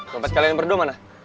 jompet kalian berdua mana